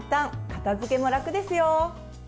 片づけも楽ですよ。